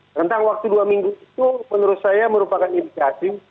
tentang waktu dua minggu itu menurut saya merupakan indikasi